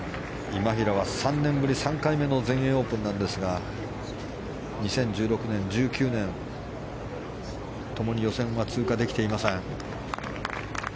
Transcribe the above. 今平は３年ぶり３回目の全英オープンなんですが２０１６年、１９年共に予選は通過できていません。